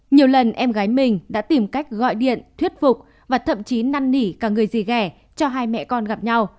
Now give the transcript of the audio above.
nhiều lần em gái mình đã tìm cách gọi điện thuyết phục và thậm chí năn nỉ cả người gì ghẻ cho hai mẹ con gặp nhau